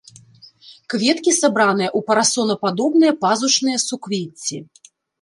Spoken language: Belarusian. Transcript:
Кветкі сабраныя ў парасонападобныя пазушныя суквецці.